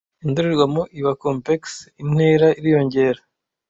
Indorerwamo iba convex, intera iriyongera